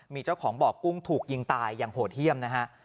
มีเจ้าของบ่อกุ้งถูกยิงตายอย่างโหดเยี่ยมนะฮะ